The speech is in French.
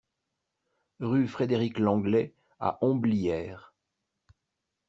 Rue Frédéric Lenglet à Homblières